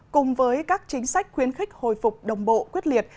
cùng với các chính sách khuyến khích hồi phục đồng bộ quyết liệt